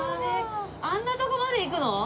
あんなとこまで行くの？